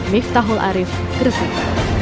miftahul arif gersik